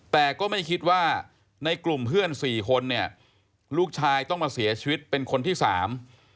แต่ก็ไม่คิดว่าในกลุ่มเพื่อนสี่คนเนี่ยลูกชายต้องมาเสียชีวิตเป็นคนที่สาม